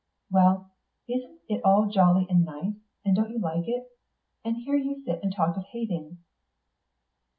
Well isn't it all jolly and nice, and don't you like it? And here you sit and talk of hating!"